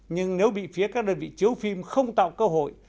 nhưng nếu bị phía các đơn vị chiếu phim không tạo cơ hội